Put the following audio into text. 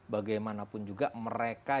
bagaimanapun juga mereka